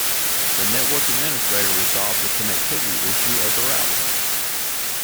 The network administrator resolved the connectivity issue of the router.